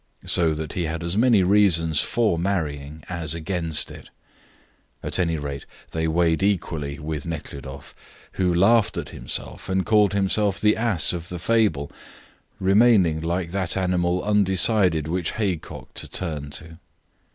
So that he had as many reasons for marrying as against it; at any rate, they weighed equally with Nekhludoff, who laughed at himself, and called himself the ass of the fable, remaining like that animal undecided which haycock to turn to.